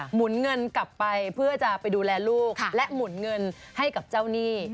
หนุนเงินกลับไปเพื่อจะไปดูแลลูกและหมุนเงินให้กับเจ้าหนี้